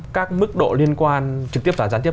các mức độ liên quan trực tiếp và gián tiếp